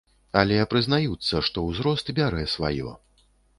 Але прызнаюцца, што ўзрост бярэ сваё.